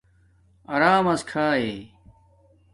ارمس کھائ